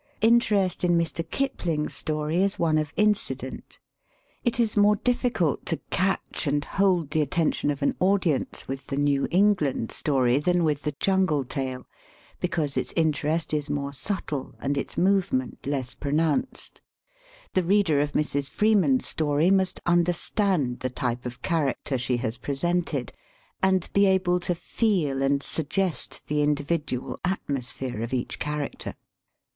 Inter est in Mr. Kipling's story is one of incident. It is more difficult to catch and hold the attention of an audience with the New Eng land story than with the Jungle tale, because its interest is more subtle and its movement less pronounced. The reader of Mrs. Free man's story must understand the type of character she has presented and be able to feel and suggest the individual atmosphere of each character.